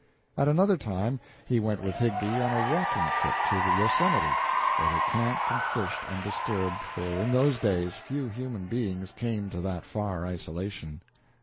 At another time he went with Higbie on a walking trip to the Yosemite, where they camped and fished undisturbed, for in those days few human beings came to that far isolation.